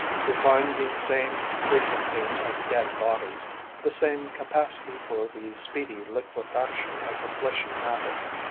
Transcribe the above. We find the same frequenting of dead bodies, the same capacity for the speedy liquefaction of the fleshy matter.